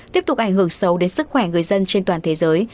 tiếp tục ảnh hưởng sâu đến sức khỏe người dân trên toàn thế giới